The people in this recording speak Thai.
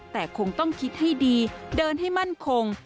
แต่คงต้องคิดให้ดีเดินให้มั่นคง